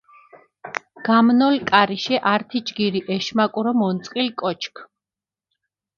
გამნოლ კარიშე ართი ჯგირი ეშმაკურო მონწყილ კოჩქ.